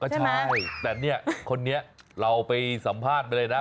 ใช่แต่เนี่ยคนนี้เราไปสัมภาษณ์ไปเลยนะ